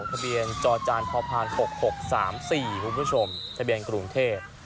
ทะเบียนจอจานพ๖๖๓๔คุณผู้ชมทะเบียนกรุงเทพ